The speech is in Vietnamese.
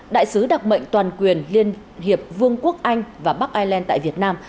đại sứ đặc mệnh toàn quyền liên hiệp vương quốc anh và bắc ireland tại việt nam